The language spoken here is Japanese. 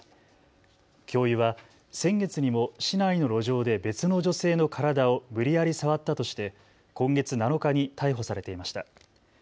教諭は先月にも市内の路上で別の女性の体を無理やり触ったとして今月７日に逮捕されていました。